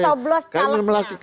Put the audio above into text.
dan lebih pengen mencoblos calegnya